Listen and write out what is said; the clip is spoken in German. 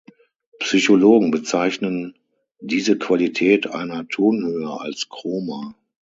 Psychologen bezeichnen diese Qualität einer Tonhöhe als „Chroma“.